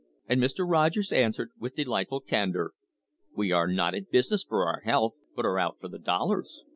And Mr. Rogers answered, with delightful candour: "We are not in business for our health, but are out for the dollars."